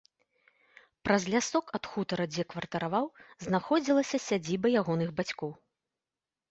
Праз лясок ад хутара, дзе кватараваў, знаходзілася сядзіба ягоных бацькоў.